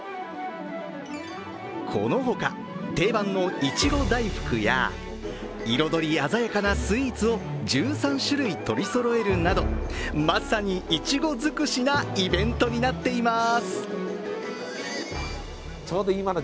このほか、定番のいちご大福や彩り鮮やかなスイーツを１３種類取りそろえるなど、まさに、いちご尽くしなイベントになっています。